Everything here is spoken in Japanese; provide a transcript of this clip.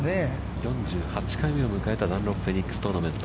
４８回目を迎えたダンロップフェニックストーナメント。